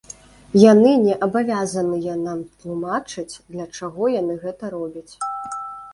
Яны не абавязаныя нам тлумачыць, для чаго яны гэта робяць.